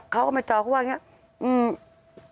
เขาก็ไม่ตอบเขาว่าอย่างนี้